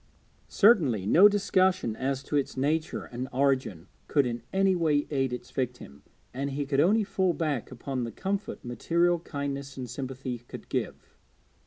Certainly no discussion as to its nature and origin could in any way aid its victim, and he could only fall back upon the comfort material kindness and sympathy could give.